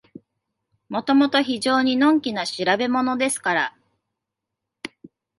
もともと非常にのんきな調べものですから、